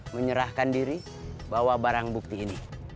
menyerahkan diri bawa barang bukti ini